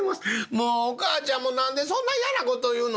「もうお母ちゃんも何でそんな嫌な事言うの？」。